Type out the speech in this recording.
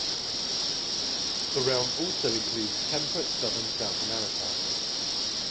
The realm also includes temperate southern South America.